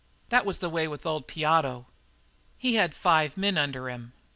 That was the way with old Piotto. "He had five men under him.